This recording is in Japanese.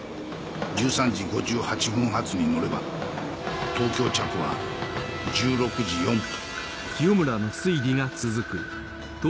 １３時５８分発に乗れば東京着は１６時４分。